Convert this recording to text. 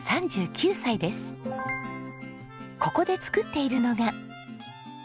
ここで作っているのが。